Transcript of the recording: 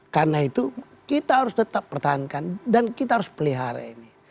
karena itu kita harus tetap pertahankan dan kita harus pelihara ini